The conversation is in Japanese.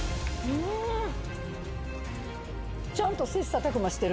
ちゃんと切さたく磨してる。